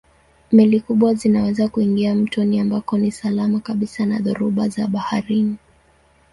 Meli kubwa zinaweza kuingia mtoni ambako ni salama kabisa na dhoruba za baharini.